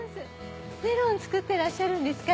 メロン作ってらっしゃるんですか？